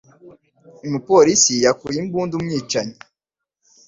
Umupolisi yakuye imbunda umwicanyi.